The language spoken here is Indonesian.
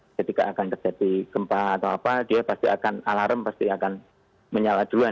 jadi ketika akan terjadi gempa atau apa dia pasti akan alarm pasti akan menyalurkan